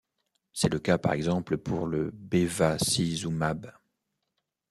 C'est le cas par exemple pour le bevacizumab.